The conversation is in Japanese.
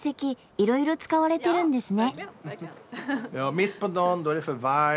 いろいろ使われてるんですね。